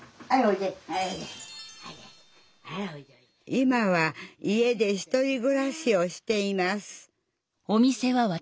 今は家で１人ぐらしをしています